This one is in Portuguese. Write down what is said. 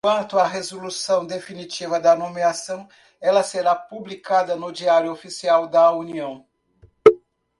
Quanto à resolução definitiva da nomeação, ela será publicada no Diário Oficial da União.